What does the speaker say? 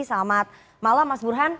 selamat malam mas burhan